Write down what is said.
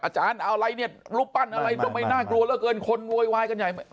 อาจารย์เอาอะไรเนี่ยรูปปั้นอะไรทำไมน่ากลัวเหลือเกินคนโวยวายกันใหญ่